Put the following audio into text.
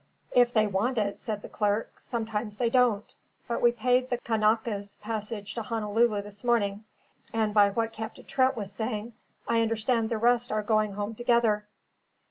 "If they want it," said the clerk; "sometimes they don't. But we paid the Kanaka's passage to Honolulu this morning; and by what Captain Trent was saying, I understand the rest are going home together."